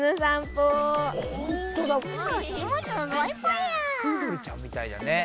プードルちゃんみたいだね。